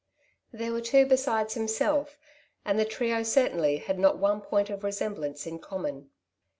There were two besides himself, and the trio cer tainly had not one point of resemblance in common.